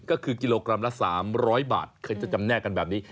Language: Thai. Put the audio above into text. ก็คือกิโลกรัมละ๓๐๐บาทเคยจะจำแนกกันแบบนี้